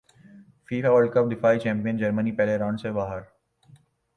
FIFA world cup دفاعی champion جرمنی پہلے رانڈ سے ہی باہر